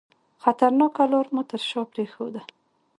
خطرناکه لار مو تر شاه پرېښوده.